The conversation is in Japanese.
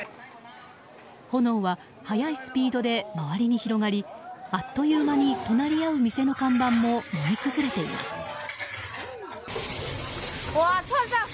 炎は早いスピードで周りに広がりあっという間に隣り合う店の看板も燃え崩れています。